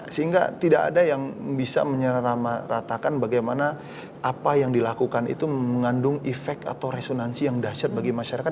sehingga tidak ada yang bisa menyeramatakan bagaimana apa yang dilakukan itu mengandung efek atau resonansi yang dahsyat bagi masyarakat